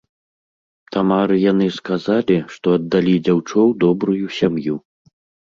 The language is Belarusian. Тамары яны сказалі, што аддалі дзяўчо ў добрую сям'ю.